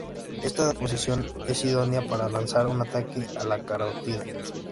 Esta posición es idónea para lanzar un ataque a la carótida.